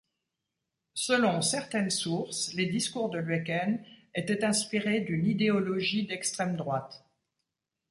Selon certaines sources, les discours de Lueken étaient inspirés d’une idéologie d’extrême droite.